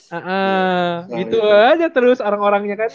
iya gitu aja terus orang orangnya kan